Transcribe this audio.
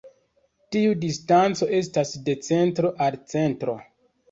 Tiu distanco estas de centro al centro.